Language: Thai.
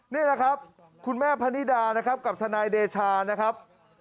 นี่แหละครับคุณแม่พนิดานะครับกับทนายเดชานะครับ